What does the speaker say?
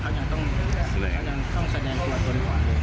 เขายังต้องแสดงตัวตัวดีกว่าเลย